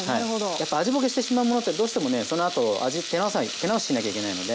やっぱ味ぼけしてしまうものってどうしてもねそのあと味手直ししなきゃいけないので。